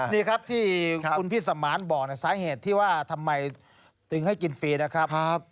นี่ครับที่คุณพี่สมานบอกสาเหตุที่ว่าทำไมถึงให้กินฟรีนะครับ